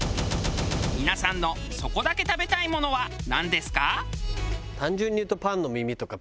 皆さんのそこだけ食べたいものはなんですか？